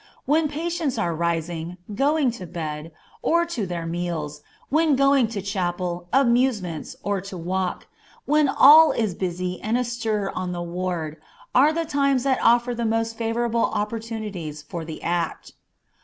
When patients are rising, going to bed, or to their meals, when going to chapel, amusements, or to walk, when all is busy and astir on the ward, are the times that offer the most favorable opportunities for the act.